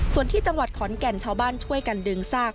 ส่วนที่จังหวัดขอนแก่นชาวบ้านช่วยกันดึงซาก